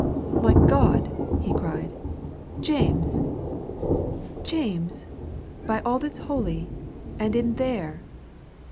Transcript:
"My God!" he cried. "James! James, by all that's holy and in there!"